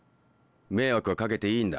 迷惑はかけていいんだ。